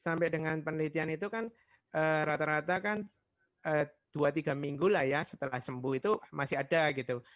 sampai dengan penelitian itu kan rata rata kan dua tiga minggu lah ya setelah sembuh itu masih ada gitu